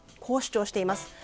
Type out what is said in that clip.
こう主張しています。